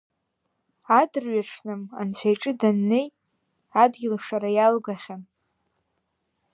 Адырҩаҽны Анцәа иҿы даннеи, адгьылшара иалгахьан.